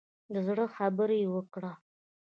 د زړه خبرې وکړه.